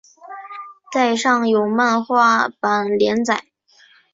在上有漫画版连载。